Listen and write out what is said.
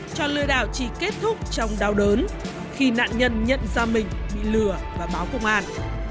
trò lừa đảo chỉ kết thúc trong đau đớn khi nạn nhân nhận ra mình bị lừa và báo công an